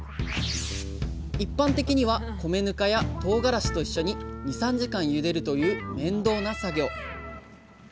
一般的には米ぬかやとうがらしと一緒に２３時間ゆでるという面倒な作業。